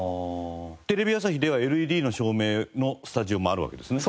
テレビ朝日ではＬＥＤの照明のスタジオもあるわけですね？